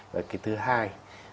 và cái thứ hai